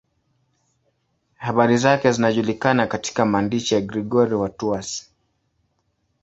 Habari zake zinajulikana katika maandishi ya Gregori wa Tours.